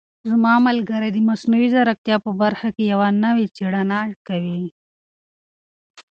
زما ملګری د مصنوعي ځیرکتیا په برخه کې یوه نوې څېړنه کوي.